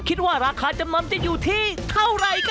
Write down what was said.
คิดว่าราคาจำนำจิ๊กอยู่ที่เท่าไหร่กันครับ